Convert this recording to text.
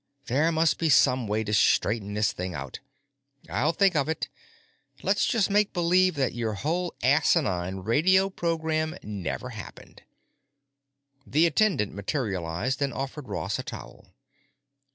There must be some way to straighten this thing out; I'll think of it. Let's just make believe that whole asinine radio program never happened." The attendant materialized and offered Ross a towel.